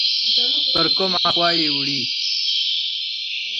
پر کومه خوا یې وړي؟